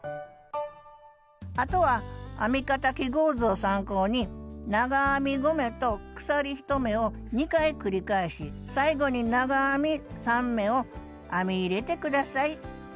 あとは編み方記号図を参考に長編み５目と鎖１目を２回繰り返し最後に長編み３目を編み入れて下さい。